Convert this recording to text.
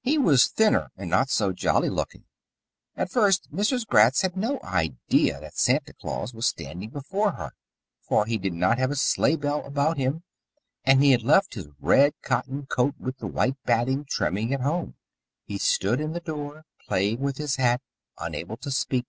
He was thinner and not so jolly looking. At first Mrs. Gratz had no idea that Santa Claus was standing before her, for he did not have a sleigh bell about him, and he had left his red cotton coat with the white batting trimming at home. He stood in the door playing with his hat, unable to speak.